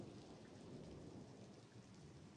Actualmente trabaja como representante.